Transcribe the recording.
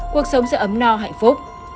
cuộc sống sẽ ấm no hạnh phúc